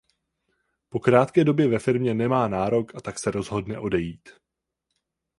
Po krátké době ve firmě nemá nárok a tak se rozhodne odejít.